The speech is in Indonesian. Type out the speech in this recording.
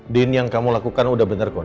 din yang kamu lakukan udah bener ko din